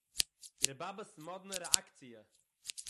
איר באַבע'ס מאָדנע רעאַקציע